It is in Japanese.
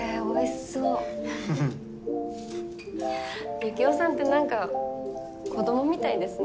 ユキオさんって何か子どもみたいですね。